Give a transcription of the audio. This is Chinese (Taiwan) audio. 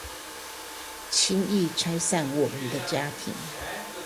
輕易拆散我們的家庭